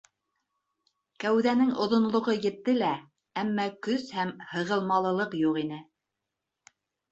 Кәүҙәнең оҙонлоғо етте лә, әммә көс һәм һығылмалылыҡ юҡ ине.